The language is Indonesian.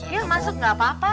ya masuk enggak apa apa